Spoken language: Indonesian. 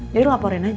jadi laporin aja